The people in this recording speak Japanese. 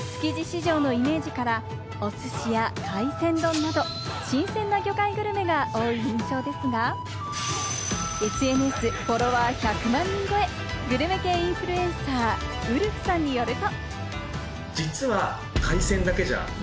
築地市場のイメージから、お寿司や海鮮丼など、新鮮な魚介グルメが多い印象ですが、ＳＮＳフォロワー１００万人超え、グルメ系インフルエンサー、ウルフさんによると。